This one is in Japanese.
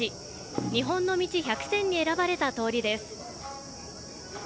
日本の道１００選に選ばれた通りです。